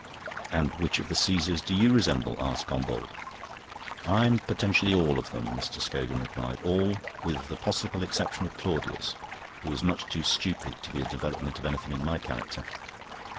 "And which of the Caesars do you resemble?" asked Gombauld. "I am potentially all of them," Mr. Scogan replied, "all with the possible exception of Claudius, who was much too stupid to be a development of anything in my character.